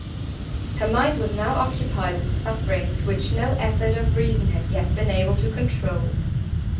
Her mind was now occupied with sufferings, which no effort of reason had yet been able to control.